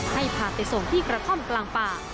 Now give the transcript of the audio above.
ให้พาไปส่งที่กระท่อมกลางป่า